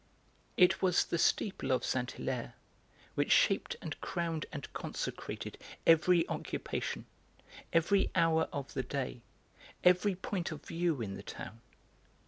It was the steeple of Saint Hilaire which shaped and crowned and consecrated every occupation, every hour of the day, every point of view in the town.